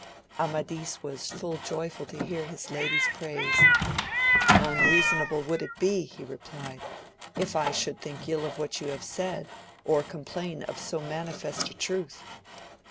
Amadis was full joyful to hear his lady's praise ; Unreasonable would it be, he replied, if I should think ill of what you have said, or complain of so manifest a truth